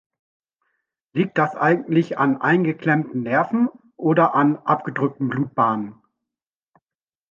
Liegt das eigentlich an eingeklemmten Nerven oder an abgedrückten Blutbahnen?